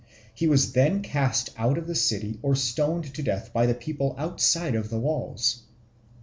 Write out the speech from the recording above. He was then cast out of the city or stoned to death by the people outside of the walls.